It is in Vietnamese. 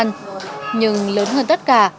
nhưng lớn hơn tất cả